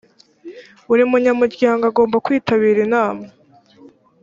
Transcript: buri munyamuryango agomba kwitabira inama